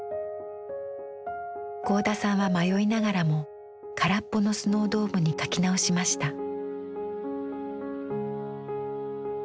合田さんは迷いながらも空っぽのスノードームに描き直しました。